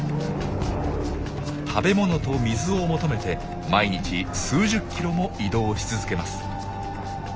食べ物と水を求めて毎日数十キロも移動し続けます。